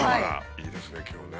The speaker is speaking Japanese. いいですね今日ね。